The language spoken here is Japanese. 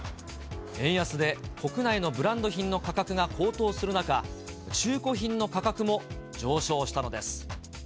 円安で国内のブランド品の価格が高騰する中、中古品の価格も上昇したのです。